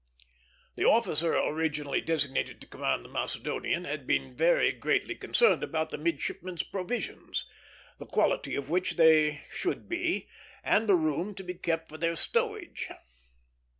The officer originally designated to command the Macedonian had been very greatly concerned about the midshipmen's provisions: the quality of which they should be, and the room to be kept for their stowage.